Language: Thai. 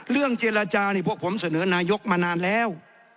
เรื่องเจรจานี่พวกผมเสนอนายกมานานแล้ว